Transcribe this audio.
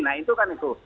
nah itu kan itu